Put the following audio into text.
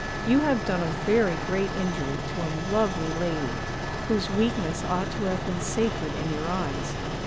You have done a very great injury to a lovely lady, whose weakness ought to have been sacred in your eyes.